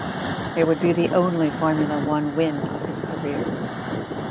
It would be the only Formula One win of his career.